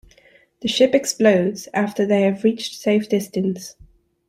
The ship explodes after they have reached safe distance.